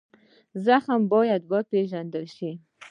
زخم باید وپېژندل شي.